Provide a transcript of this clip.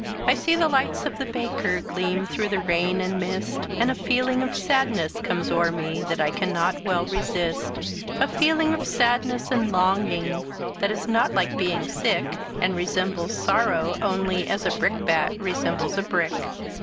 I see the lights of the baker, Gleam through the rain and mist, And a feeling of sadness comes o'er me That I can not well resist. A feeling of sadness and longing That is not like being sick, And resembles sorrow only As a brickbat resembles a brick.